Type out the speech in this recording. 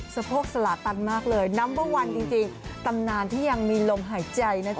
สะโพกสละตันมากเลยนัมเบอร์วันจริงตำนานที่ยังมีลมหายใจนะจ๊